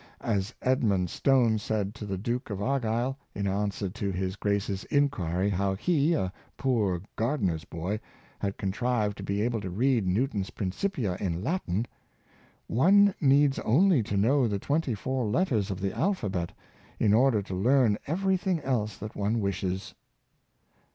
As Edmund Stone said to the Duke of Argyle, in answer to his grace's inquiry how he, a poor gardner's boy, had contrived to be able to read Newton's Principia in Latin, " One needs only to know the twenty four letters of the alphabet in order to learn everything else that one wishes."